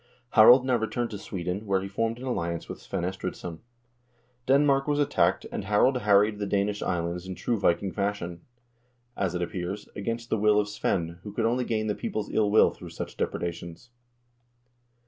Harald now returned to Sweden, where he formed an alliance with Svein Estridsson. Denmark was attacked, and Harald harried the Danish islands in true Viking fashion, as it appears, THE UNION OF NORWAY AND DENMARK 279 against the will of Svein, who could only gain the people's ill will through such depredations.